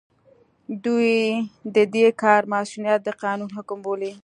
دوی د دې کار مصؤنيت د قانون حکم بولي.